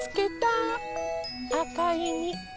あかいみ。